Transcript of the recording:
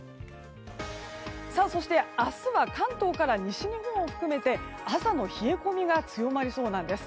そして、明日は関東から西日本を含めて朝の冷え込みが強まりそうなんです。